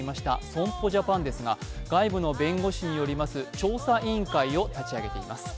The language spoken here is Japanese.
損保ジャパンですが外部の弁護士によります調査委員会を立ち上げています。